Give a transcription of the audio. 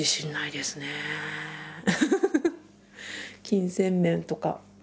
金銭面とか。